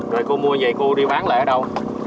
rồi cô mua vậy cô đi bán lại ở đâu